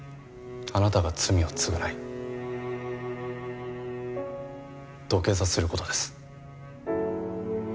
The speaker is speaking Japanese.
あなたが罪を償い土下座する事です。